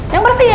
yang bersih ya